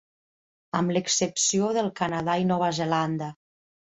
Amb l'excepció del Canadà i Nova Zelanda.